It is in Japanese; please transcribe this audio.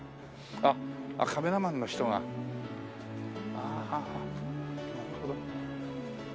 あっカメラマンの方あ